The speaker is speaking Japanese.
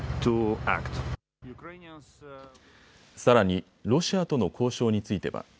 さらにロシアとの交渉については。